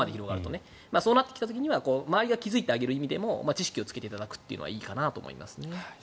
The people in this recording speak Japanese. そうなってきた時には周りが気付いてあげるためにも知識をつけてあげるというのがいいかなと思います。